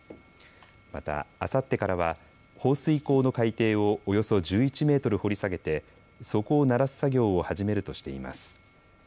また、あさってからは放水口の海底をおよそ１１メートル掘り下げて底をならす作業を始めるとしています。